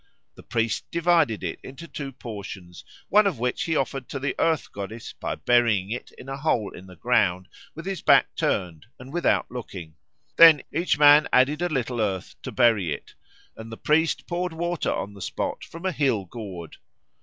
The priest divided it into two portions, one of which he offered to the Earth Goddess by burying it in a hole in the ground with his back turned, and without looking. Then each man added a little earth to bury it, and the priest poured water on the spot from a hill gourd.